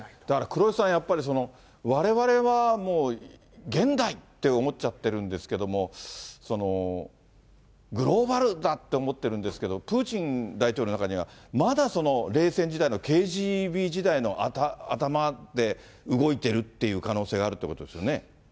だから、黒井さん、やっぱりわれわれはもう現代って思っちゃってるんですけれども、グローバルだって思ってるんですけど、プーチン大統領の中にはまだ冷戦時代のＫＧＢ時代の頭で動いてるっていう可能性があるということですよね。